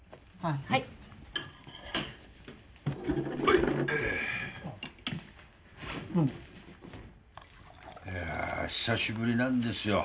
あどうもいやあ久しぶりなんですよ